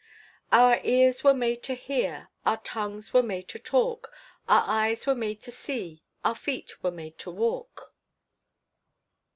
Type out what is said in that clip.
"Our ears were made to hear, Our tongues were made to talk, Our eyes were made to see, Our feet were made to walk."